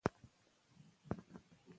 مور او پلار لومړني ښوونکي دي.